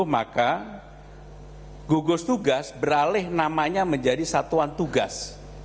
maka gugus tugas beralih namanya menjadi satuan tugas